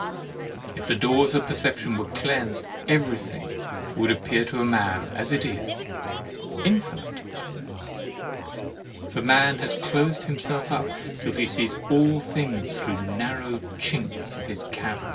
If the doors of perception were cleansed everything would appear to man as it is, infinite. For man has closed himself up, till he sees all things through narrow chinks of his cavern.